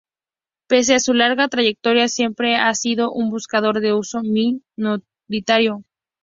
Pese a su larga trayectoria siempre ha sido un buscador de uso minoritario.